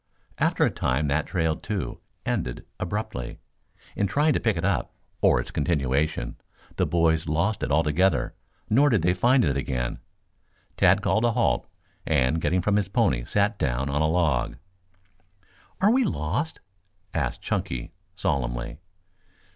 After a time that trail, too, ended abruptly. In trying to pick it up, or its continuation, the boys lost it altogether, nor did they find it again. Tad called a halt and getting from his pony sat down on a log. "Are we lost?" asked Chunky solemnly.